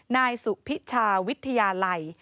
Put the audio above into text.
นายสุพิชาวิทยาลัย